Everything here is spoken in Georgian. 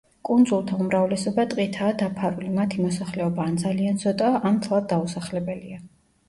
კუნძულთა უმრავლესობა ტყითაა დაფარული, მათი მოსახლეობა ან ძალიან ცოტაა, ან მთლად დაუსახლებელია.